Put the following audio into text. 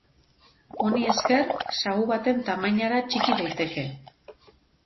Honi esker sagu baten tamainara txiki daiteke.